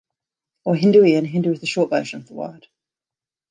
Or Hinduian, Hindu is the short version of the word.